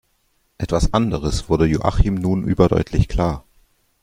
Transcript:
Etwas anderes wurde Joachim nun überdeutlich klar.